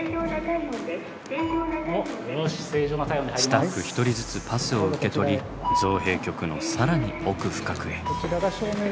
スタッフ一人ずつパスを受け取り造幣局の更に奥深くへ。